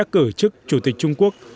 cử chức chủ tịch trung quốc